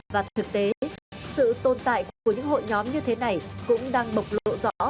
và thực tế sự tồn tại của những hội nhóm như thế này cũng đang bộc lộ rõ